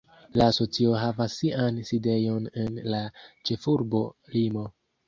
La asocio havas sian sidejon en la ĉefurbo Limo.